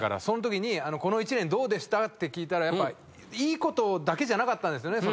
そのときに「この１年どうでした？」って聞いたらやっぱいいことだけじゃなかったんです。